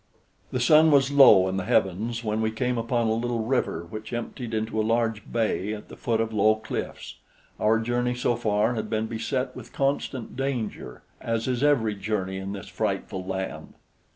The sun was low in the heavens when we came upon a little river which emptied into a large bay at the foot of low cliffs. Our journey so far had been beset with constant danger, as is every journey in this frightful land.